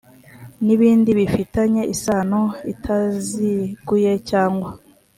n ibindi bifitanye isano itaziguye cyangwa